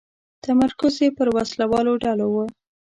تمرکز یې پر وسله والو ډلو و.